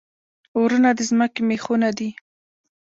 غرونه د ځمکې میخونه دي